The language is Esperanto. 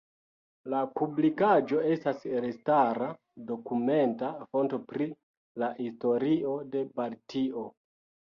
La publikaĵo estas elstara dokumenta fonto pri la historio de Baltio.